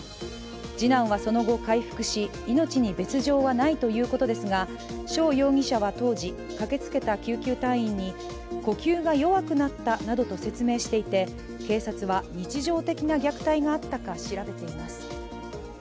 次男はその後回復し命に別状はないということですが翔容疑者は当時、駆けつけた救急隊員に呼吸が弱くなったなどと説明していて警察は日常的な虐待があったか調べています。